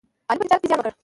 علي په تجارت کې زیان وکړ.